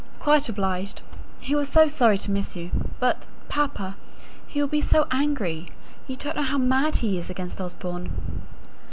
"Quite obliged. He was so sorry to miss you. But, papa, he will be so angry! You don't know how mad he is against Osborne."